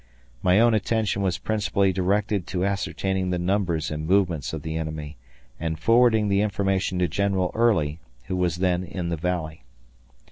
My own attention was principally directed to ascertaining the numbers and movements of the enemy and forwarding the information to General Early, who was then in the Valley.